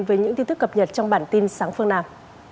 với những tin tức cập nhật trong bản tin sáng phương nào